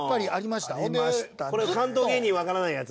これ関東芸人わからないやつね。